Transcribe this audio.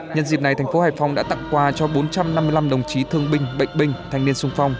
nhân dịp này thành phố hải phòng đã tặng quà cho bốn trăm năm mươi năm đồng chí thương binh bệnh binh thanh niên sung phong